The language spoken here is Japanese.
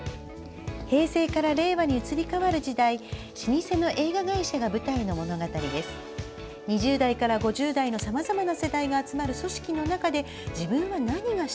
平成から令和に移り変わる時代老舗の映画会社が舞台の物語です。